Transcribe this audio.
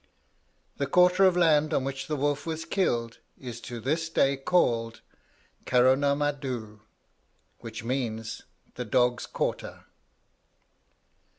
The quarter of land on which the wolf was killed is to this day called Carrow na Madhoo, which means "the dog's quarter."